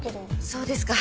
そうですか。